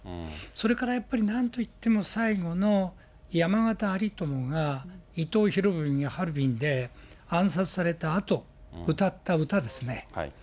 それからやっぱり、なんと言っても最後のやまがたありともが伊藤博文にハルビンで暗殺されたあと、詠った歌ですね。